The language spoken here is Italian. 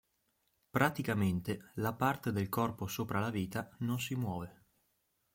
Praticamente la parte del corpo sopra la vita non si muove.